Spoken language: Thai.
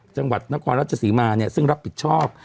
จังหวัดนครราชสีมาเนี่ยซึ่งรับผิดชอบ